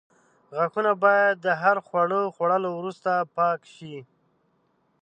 غاښونه باید د هر خواړو خوړلو وروسته پاک شي.